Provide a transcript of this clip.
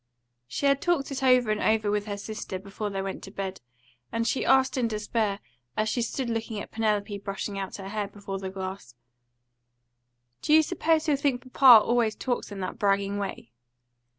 She had talked it over and over with her sister before they went to bed, and she asked in despair, as she stood looking at Penelope brushing out her hair before the glass "Do you suppose he'll think papa always talks in that bragging way?"